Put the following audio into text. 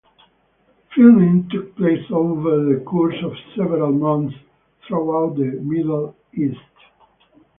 Filming took place over the course of several months throughout the Middle East.